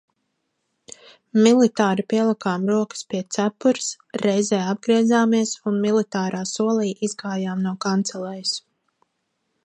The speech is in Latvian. Militāri pielikām rokas pie cepures, reizē apgriezāmies un militārā solī izgājām no kancelejas.